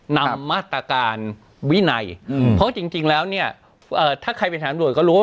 นำมาตรการวินัยอืมเพราะจริงจริงแล้วเนี้ยเอ่อถ้าใครเป็นศาลโดยก็รู้ว่า